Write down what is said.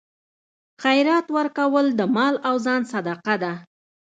خیرات ورکول د مال او ځان صدقه ده.